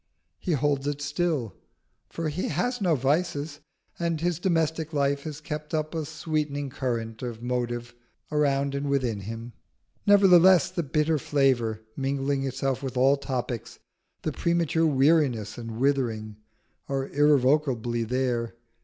He holds it still, for he has no vices, and his domestic life has kept up a sweetening current of motive around and within him. Nevertheless, the bitter flavour mingling itself with all topics, the premature weariness and withering, are irrevocably there.